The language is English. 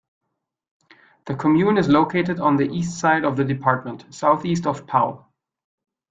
The commune is located on the east side of the department, southeast of Pau.